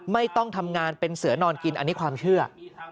ไม่ต้องทำงานเป็นเสือนอนกินอันนี้ความเชื่อ